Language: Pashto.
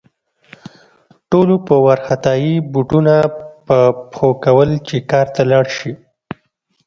ټولو په وارخطايي بوټونه په پښو کول چې کار ته لاړ شي